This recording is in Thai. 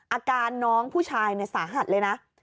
อาการน้องผู้ชายสาหัสเลยนะ